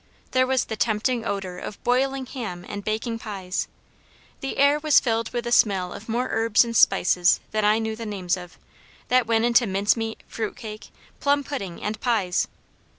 There was the tempting odour of boiling ham and baking pies. The air was filled with the smell of more herbs and spices than I knew the names of, that went into mincemeat, fruit cake, plum pudding, and pies.